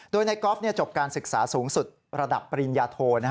โดยในก๊อฟจบการศึกษาสูงสุดระดับปริญญาโท